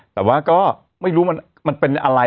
แต่ว่าก็ไม่รู้มันเป็นอะไร